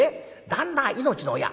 旦那は命の親。